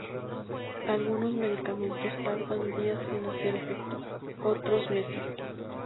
Algunos medicamentos tardan días en hacer efecto, otros meses.